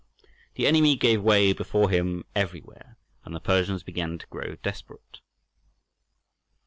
The enemy gave way before him everywhere, and the Persians began to grow desperate.